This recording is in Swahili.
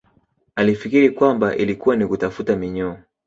Akifikiri kwamba ilikuwa ni kutafuta minyoo